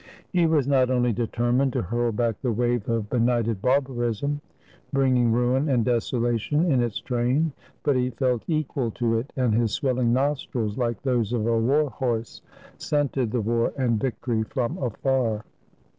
He was not only determined to hurl back the wave of be nighted barbarism, bringing ruin and desolation in its train, but he felt equal to it, and his swelling nostrils, like those of a war horse, scented the war and victory from afar.